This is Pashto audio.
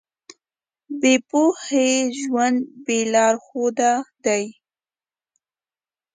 بې پوهې ژوند بې لارښوده دی.